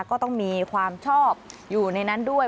ก็ต้องมีความชอบอยู่ในนั้นด้วย